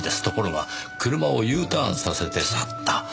ところが車をＵターンさせて去った。